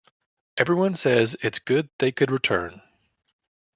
Everyone says it's good they could return.